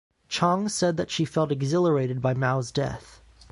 Chang said that she felt exhilarated by Mao's death.